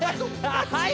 はい。